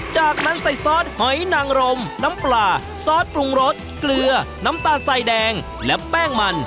จากนั้นใส่ซอสหอยนางรมน้ำปลาซอสปรุงรสเกลือน้ำตาลใส่แดงและแป้งมัน